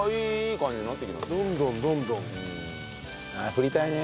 振りたいね。